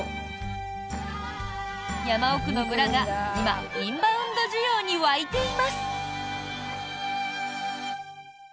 山奥の村が、今インバウンド需要に沸いています。